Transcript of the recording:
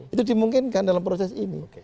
itu dimungkinkan dalam proses ini